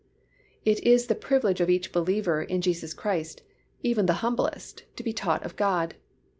It is the privilege of each believer in Jesus Christ, even the humblest, to be "taught of God."